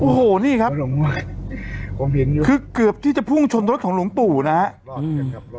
โอ้โหนี่ครับคือเกือบที่จะพุ่งชนรถของหลวงปู่นะครับ